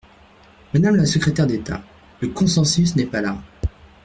Madame la secrétaire d’État, le consensus n’est pas là.